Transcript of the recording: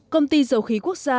công ty dầu khí quốc gia